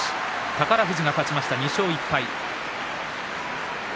宝富士が勝ちました、２勝１敗。